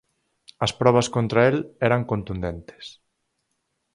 As probas contra el eran contundentes.